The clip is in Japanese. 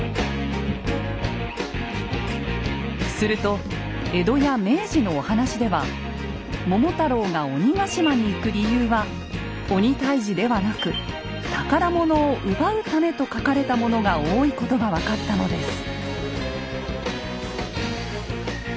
すると江戸や明治のお話では桃太郎が鬼ヶ島に行く理由は鬼退治ではなく宝物を奪うためと書かれたものが多いことが分かったのです。